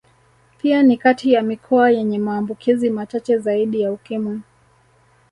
Pia ni kati ya mikoa yenye maambukizi machache zaidi ya Ukimwi